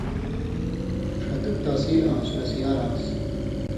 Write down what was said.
ݜَتُک تاثیر آں سُرسیۡ یار آن٘س